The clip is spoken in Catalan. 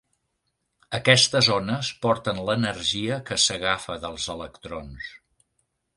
Aquestes ones porten l"energia que s"agafa dels electrons.